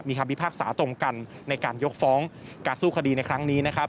มีคำพิพากษาตรงกันในการยกฟ้องการสู้คดีในครั้งนี้นะครับ